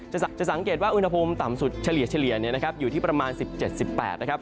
จะสังเกตว่าอุณหภูมิต่ำสุดเฉลี่ยอยู่ที่ประมาณ๑๗๑๘นะครับ